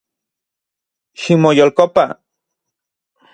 Ximoyolkopa